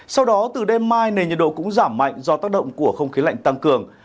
sau đó từ đêm mai nền nhiệt độ cũng giảm mạnh do tác động của không khí lạnh tăng cường